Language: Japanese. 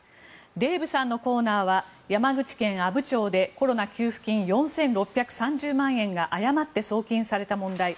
デーブさんのコーナーは山口県阿武町でコロナ給付金４６３０万円が誤って送金された問題。